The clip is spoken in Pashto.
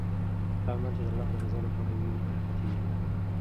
هر عمل چې د الله د رضا لپاره وي برکتي وي.